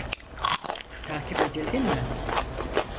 Takip edildin mi?